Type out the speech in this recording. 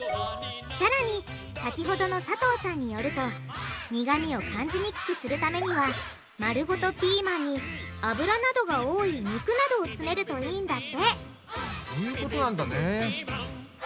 さらに先ほどの佐藤さんによると苦味を感じにくくするためには丸ごとピーマンにアブラなどが多い肉などを詰めるといいんだってそういうことなんだね。